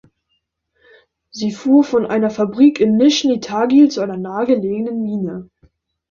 Sie fuhr von einer Fabrik in Nischni Tagil zu einer nahe gelegenen Mine.